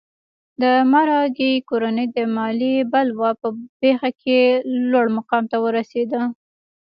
د مارګای کورنۍ د مالیې بلوا په پېښه کې لوړ مقام ته ورسېده.